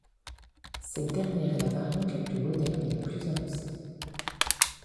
Cette dernière est la variante la plus moderne et la plus avancée.